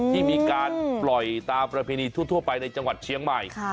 ที่มีการปล่อยตามประเพณีทั่วไปในจังหวัดเชียงใหม่